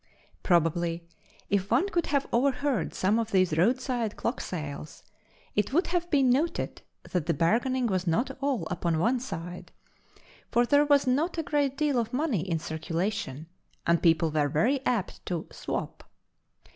Probably, if one could have overheard some of these roadside clock sales it would have been noted that the bargaining was not all upon one side, for there was not a great deal of money in circulation, and people were very apt to "swap."